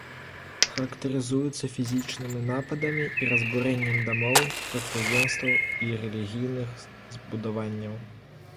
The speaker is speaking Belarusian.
Характарызуюцца фізічнымі нападамі і разбурэннем дамоў, прадпрыемстваў і рэлігійных збудаванняў.